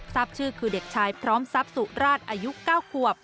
ทราบชื่อคือเด็กชายพร้อมทรัพย์สุราชอายุ๙ขวบ